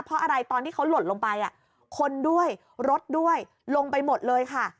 เพราะอะไรตอนที่เขาหล่นลงไปคนด้วยรถด้วยลงไปหมดเลยค่ะ